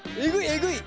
えぐい？